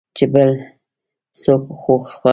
چې بل څوک خوښ وساتې .